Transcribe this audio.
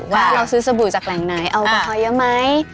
ว่าเราซื้อสบู่จากแหล่งไหนแอลกอฮอลเยอะไหม